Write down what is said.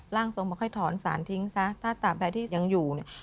ร่างทรงบอกให้ถอนสารทิ้งซะถ้าตามใดที่ยังอยู่เนี่ย